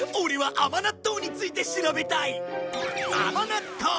甘納豆！